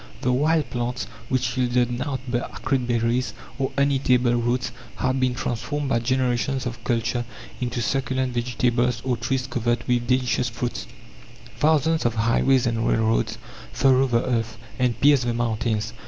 The wild plants, which yielded nought but acrid berries, or uneatable roots, have been transformed by generations of culture into succulent vegetables or trees covered with delicious fruits. Thousands of highways and railroads furrow the earth, and pierce the mountains.